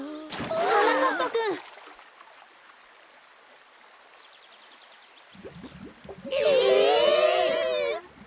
はなかっぱくん！え！？